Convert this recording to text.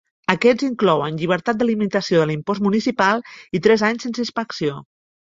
Aquests inclouen llibertat de limitació de l'impost municipal i tres anys sense inspecció.